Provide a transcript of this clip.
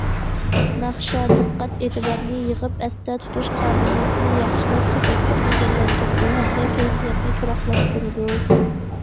ناخشا دىققەت- ئېتىبارنى يىغىپ، ئەستە تۇتۇش قابىلىيىتىنى ياخشىلاپ، تەپەككۇرنى جانلاندۇرىدۇ ھەمدە كەيپىياتنى تۇراقلاشتۇرىدۇ.